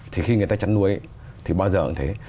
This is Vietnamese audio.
thì khi người ta chăn nuôi thì bao giờ cũng thế